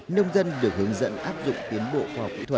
nông dân được hướng dẫn áp dụng tiến bộ